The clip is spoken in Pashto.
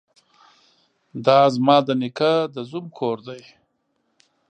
ده ځما ده نيکه ده زوم کور دې.